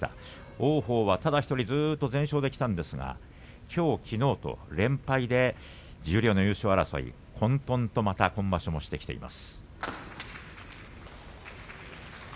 王鵬はただ１人全勝できましたがきょう、きのうと連敗で十両優勝争い混とんとまた今場所もしてきています。